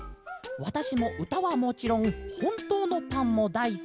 わたしもうたはもちろんほんとうのパンもだいすきです。